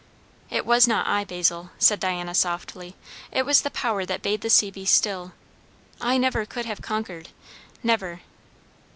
"It was not I, Basil," said Diana softly. "It was the power that bade the sea be still. I never could have conquered. Never."